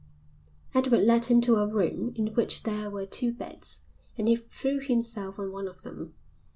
Edward led him to a room in which there were two beds and he threw himself on one of them.